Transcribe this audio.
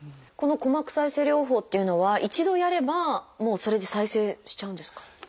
この鼓膜再生療法っていうのは一度やればもうそれで再生しちゃうんですか？